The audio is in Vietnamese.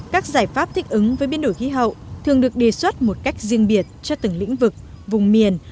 các giải pháp thích ứng với biến đổi khí hậu thường được đề xuất một cách riêng biệt cho từng lĩnh vực vùng miền